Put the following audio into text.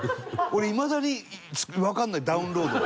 俺、いまだにわかんないダウンロード。